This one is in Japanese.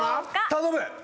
頼む！